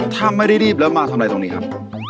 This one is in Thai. ถ้าไม่ได้รีบแล้วมาทำอะไรตรงนี้ครับ